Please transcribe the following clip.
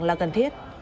là cần thiết